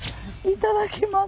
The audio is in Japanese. いただきます。